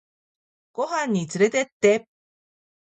ご飯につれてって